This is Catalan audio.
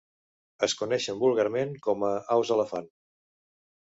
Es coneixen vulgarment com a aus elefant.